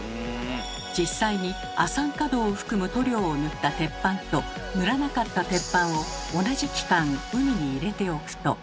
実際に酸化銅を含む塗料を塗った鉄板と塗らなかった鉄板を同じ期間海に入れておくと。